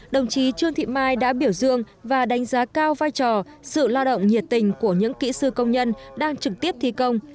đồng chí trương thị mai đã biểu dương và đánh giá cao vai trò sự lao động nhiệt tình của những kỹ sư công nhân đang trực tiếp thi công